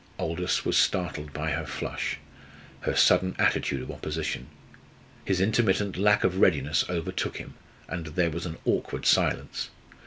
Aldous was startled by her flush, her sudden attitude of opposition. His intermittent lack of readiness overtook him, and there was an awkward silence.